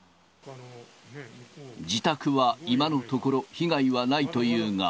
自宅は今のところ、被害はないというが。